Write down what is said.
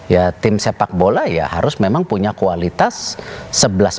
ya tim sepak bola ya harus memang punya kualitas sebelas orang